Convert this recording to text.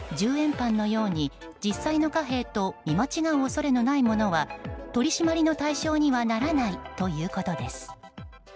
パンのように実際の貨幣と見間違う恐れがないものは取り締まりの対象にはならないということです。